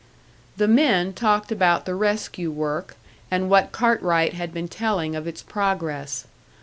The men talked about the rescue work, and what Cartwright had been telling of its progress.